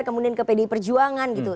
kemudian ke pdi perjuangan gitu